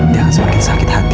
dia akan semakin sakit hati